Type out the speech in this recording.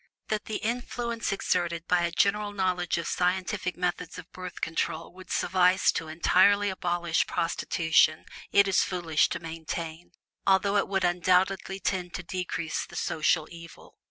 That the influence exerted by a general knowledge of scientific methods of Birth Control would suffice to entirely abolish prostitution it is foolish to maintain, although it would undoubtedly tend to decrease the social evil.